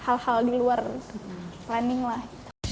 hal hal di luar planning lah